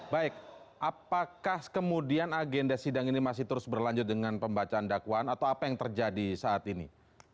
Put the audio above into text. baik apakah kemudian agenda sidang ini masih terus berlanjut dengan pembacaan dakwaan atau apa yang terjadi saat ini